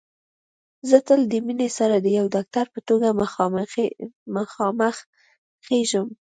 زه تل د مينې سره د يوه ډاکټر په توګه مخامخېږم